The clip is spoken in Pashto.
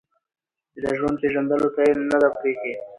چې د ژوند پېژندلو ته يې نه ده پرېښې